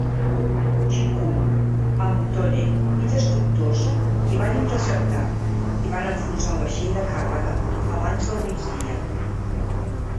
"Chikuma", amb "Tone", i destructors i van interceptar i van enfonsar el vaixell de càrrega abans del migdia.